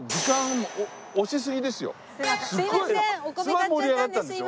すごい盛り上がったんでしょ？